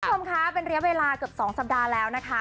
ทุกคนค่ะเป็นเรียบเวลาเกือบ๒สัปดาห์แล้วนะคะ